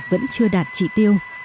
vẫn chưa đạt trị tiêu